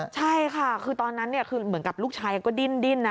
ใช่ค่ะคือตอนนั้นคือเหมือนกับลูกชายก็ดิ้นนะ